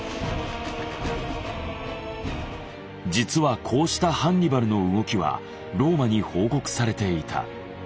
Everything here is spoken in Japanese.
実はこうしたハンニバルの動きはローマに報告されていた。